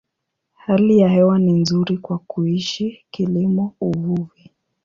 Hali ya hewa ni nzuri kwa kuishi, kilimo, uvuvi.